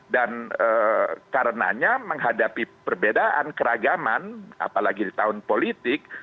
dan karenanya menghadapi perbedaan keragaman apalagi di tahun politik